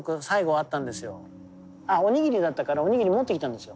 あおにぎりだったからおにぎり持ってきたんですよ。